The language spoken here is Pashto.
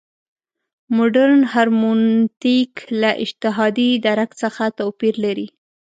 مډرن هرمنوتیک له اجتهادي درک څخه توپیر لري.